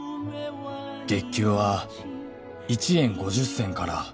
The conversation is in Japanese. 「月給は１円５０銭から」